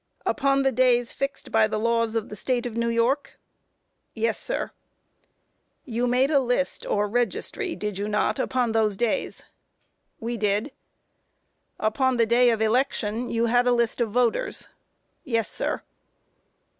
Q. Upon the days fixed by the laws of the State of New York? A. Yes, sir. Q. You made a list or registry, did you not, upon those days? A. We did. Q. Upon the day of election you had a list of voters? A. Yes, sir.